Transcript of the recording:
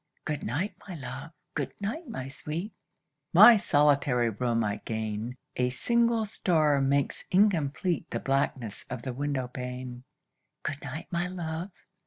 Good night, my love! good night, my sweet! My solitary room I gain. A single star makes incomplete The blackness of the window pane. Good night, my love!